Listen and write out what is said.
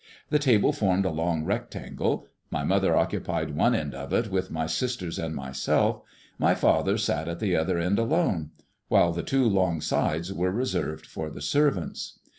The table formed a long rectangle. My mother occupied one end of it with my sisters and myself; my father sat at the other end alone; while the two long sides were reserved for the servants.